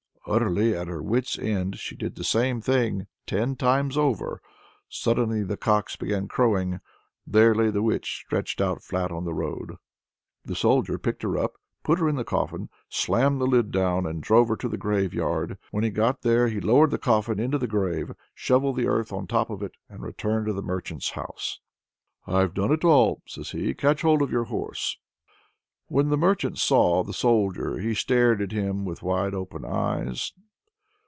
Utterly at her wit's end, she did the same thing some ten times over. Suddenly the cocks began crowing. There lay the witch stretched out flat on the road! The Soldier picked her up, put her in the coffin, slammed the lid down, and drove her to the graveyard. When he got there he lowered the coffin into the grave, shovelled the earth on top of it, and returned to the merchant's house. "I've done it all," says he; "catch hold of your horse." When the merchant saw the Soldier he stared at him with wide open eyes.